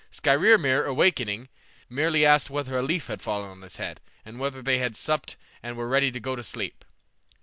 Skrymir, awakening, merely asked whether a leaf had not fallen on his head, and whether they had supped and were ready to go to sleep.